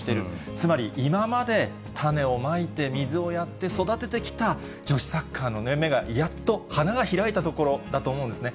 つまり、今まで種をまいて、水をやって育ててきた女子サッカーの芽がやっと花が開いたところだと思うんですね。